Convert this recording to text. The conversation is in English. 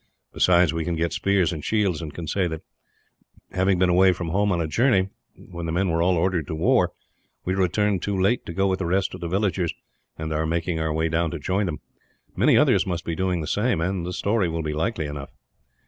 Besides, we can get spears and shields, and can say that having been away from home on a journey when the men were all ordered to war, we returned too late to go with the rest of the villagers, and are making our way down to join them. Many others must be doing the same, and the story will be likely enough.